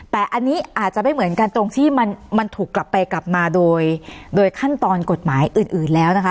แต่อันนี้อาจจะไม่เหมือนกันตรงที่มันถูกกลับไปกลับมาโดยขั้นตอนกฎหมายอื่นแล้วนะคะ